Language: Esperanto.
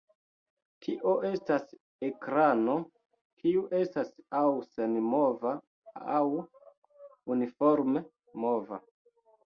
Tio estas ekrano kiu estas aŭ senmova aŭ uniforme mova.